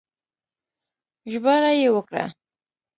ژباړه يې وکړه